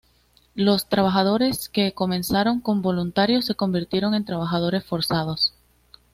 Los trabajadores que comenzaron como voluntarios se convirtieron en trabajadores forzados.